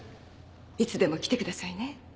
いつでも来てくださいね。